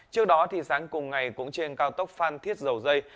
trước đó sáng cùng ngày cũng trên cao tốc phan thiết dầu dây